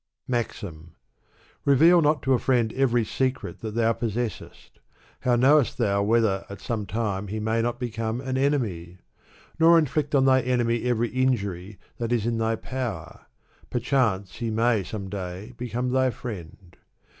MAXIM. Reveal not to a friend every secret that thou pos se&sest. How knowest thou whether at some time he may not become an enemy ? Nor inflict on thy enemy every injury that is in thy power; perchance he may some day become thy friend.